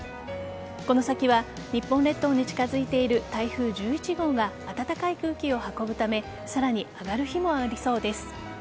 この先は日本列島に近づいている台風１１号が暖かい空気を運ぶためさらに上がる日もありそうです。